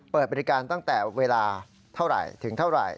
เปิดบริการตั้งแต่เวลาเท่าไหร่ถึงเท่าไหร่